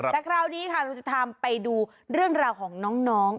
แต่คราวนี้ค่ะเราจะพาไปดูเรื่องราวของน้อง